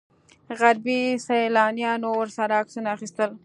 غربي سیلانیانو ورسره عکسونه اخیستل.